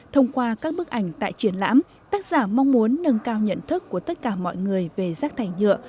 thông qua các bức ảnh tại triển lãm tác giả mong muốn nâng cao nhận thức của tất cả mọi người về rác thải nhựa